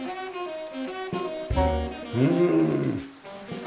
うん！